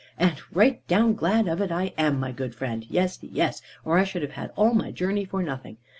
"And right down glad of it, I am, my good friend. Yes, yes. Or I should have had all my journey for nothing.